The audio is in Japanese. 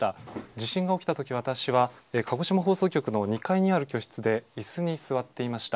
地震が起きたとき、私は、鹿児島放送局の２階にある居室でいすに座っていました。